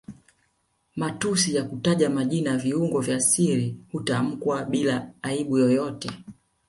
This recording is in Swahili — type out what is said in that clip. Matusi ya kutaja majina viungo vya siri hutamkwa bila aibu yoyote